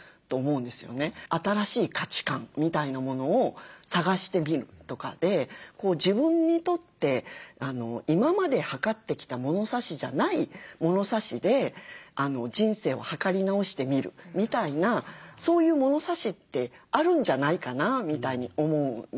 新しい価値観みたいなものを探してみるとかで自分にとって今まではかってきた物差しじゃない物差しで人生をはかり直してみるみたいなそういう物差しってあるんじゃないかなみたいに思うんですよね。